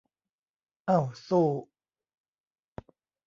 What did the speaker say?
เอ้า สู้ !